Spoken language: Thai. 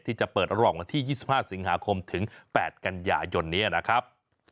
ที่จะเปิดระหว่างวันที่๒๕สิงหาคมถึง๘กันยายนนี้นะครับ